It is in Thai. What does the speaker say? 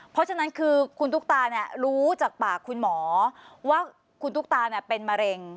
เพราะฉะนั้นคือคุณตุ๊กตารู้จากปากคุณหมอว่าคุณตุ๊กตาเป็นมะเร็ง